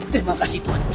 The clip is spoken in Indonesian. terima kasih tuhan